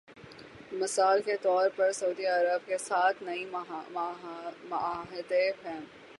مثال کے طور پر سعودی عرب کے ساتھ نئے معاہدے ہیں۔